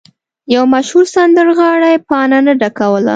یو مشهور سندرغاړی پاڼه نه ډکوله.